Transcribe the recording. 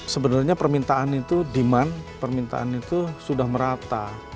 sebenarnya permintaan itu demand permintaan itu sudah merata